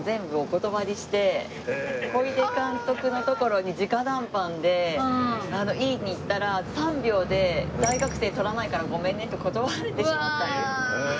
小出監督のところに直談判で言いにいったら３秒で「大学生とらないからごめんね」って断られてしまったんですね。